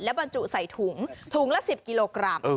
บรรจุใส่ถุงถุงละ๑๐กิโลกรัม